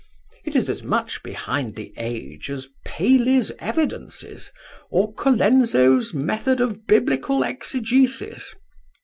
It is as much behind the age as Paley's Evidences, or Colenso's method of Biblical exegesis.